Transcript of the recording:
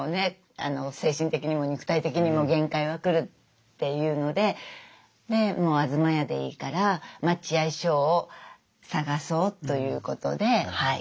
精神的にも肉体的にも限界が来るっていうのでで東屋でいいから待合所を探そうということではい